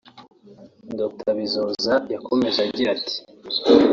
Dr Bizoza yakomeje agira ati